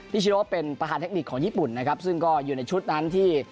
ชโนเป็นประธานเทคนิคของญี่ปุ่นนะครับซึ่งก็อยู่ในชุดนั้นที่